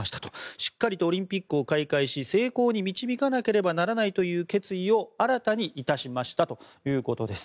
しっかりとオリンピックを開会し成功に導かなければならないという決意を新たにいたしましたということです。